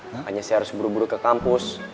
makanya saya harus buru buru ke kampus